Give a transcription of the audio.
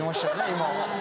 今。